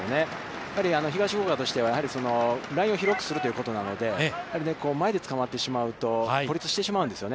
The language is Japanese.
やっぱり東福岡としてはラインを広くするということなので、前でつかまってしまうと孤立してしまうんですね。